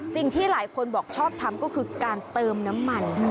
สิ่งที่หลายคนบอกชอบทำก็คือการเติมน้ำมัน